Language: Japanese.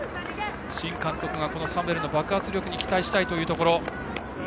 新監督が、サムエルの爆発力に期待したいというところ。